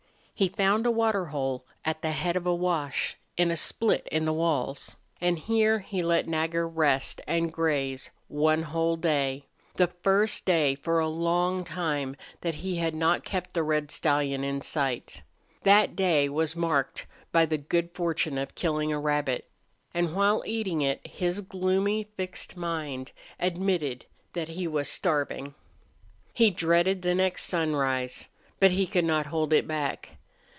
He found a water hole at the head of a wash in a split in the walls, and here he let Nagger rest and graze one whole day the first day for a long time that he had not kept the red stallion in sight. That day was marked by the good fortune of killing a rabbit, and while eating it his gloomy, fixed mind admitted that he was starving. He dreaded the next sunrise. But he could not hold it back.